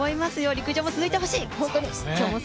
陸上も続いてほしい、本当に。